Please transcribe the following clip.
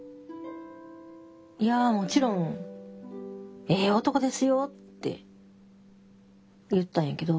「いやもちろんええ男ですよ」って言ったんやけど。